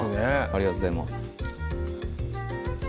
ありがとうございます